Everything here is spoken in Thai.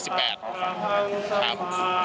ครับ